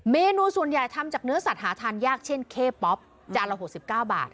เมนูส่วนใหญ่ทำจากเนื้อสัตว์หาทานยากเช่นเข้ป๊อปจานละ๖๙บาท